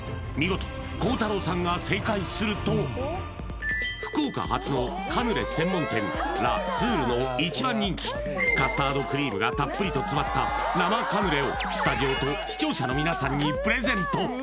見事孝太郎さんが正解すると福岡発のカヌレ専門店「ラ・スール」の一番人気カスタードクリームがたっぷりと詰まった生カヌレをスタジオと視聴者の皆さんにプレゼント